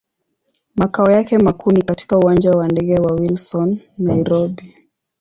Makao yake makuu ni katika Uwanja wa ndege wa Wilson, Nairobi.